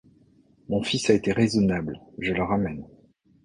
Mon fils a été raisonnable, je le ramène.